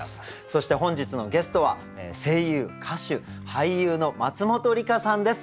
そして本日のゲストは声優歌手俳優の松本梨香さんです。